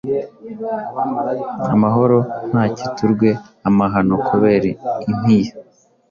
Amahoro ntakiturwe amahano kubera impiya